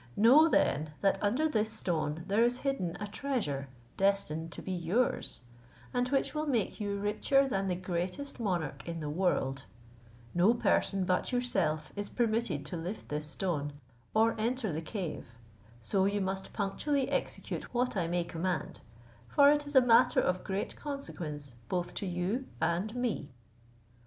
Know then, that under this stone there is hidden a treasure, destined to be yours, and which will make you richer than the greatest monarch in the world: no person but yourself is permitted to lift this stone, or enter the cave; so you must punctually execute what I may command, for it is a matter of great consequence both to you and me."